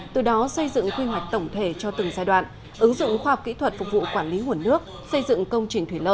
từ đó xây dựng khuy hoạch tổng thể cho từng giai đoạn